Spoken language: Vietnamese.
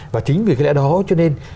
và chính vì cái lẽ đó cho nên